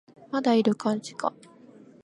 まだいる感じか